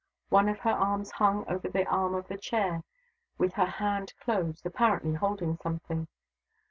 One of her arms hung over the arm of the chair, with the hand closed, apparently holding something.